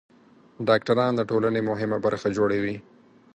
ډاکټران د ټولنې مهمه برخه جوړوي.